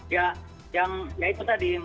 ya yang ya itu tadi